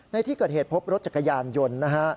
ในที่เกิดเหตุพบรถจักรยานยนต์นะฮะ